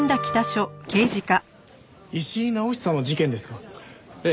石井直久の事件ですか？